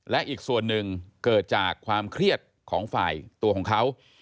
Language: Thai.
และอีกส่วนหนึ่งเกิดจากความเครียดของฝ่ายตัวของเขา